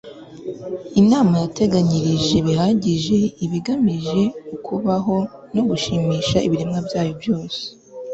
imana yateganyirije bihagije ibigamije ukubaho no gushimisha ibiremwa byayo byose